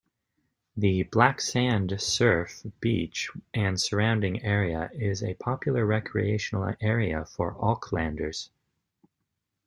The black-sand surf beach and surrounding area is a popular recreational area for Aucklanders.